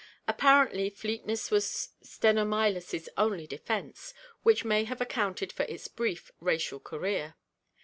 Apparently fleetness was Stenomylus* only defense, which may have accounted for its brief racial career.